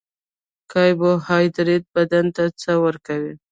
کاربوهایدریت بدن ته څه ورکوي